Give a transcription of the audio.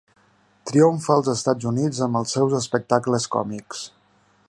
Triomfa als Estats Units amb els seus espectacles còmics.